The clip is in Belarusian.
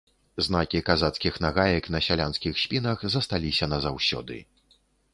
Знакі казацкіх нагаек на сялянскіх спінах засталіся назаўсёды.